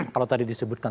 kalau tadi disebutkan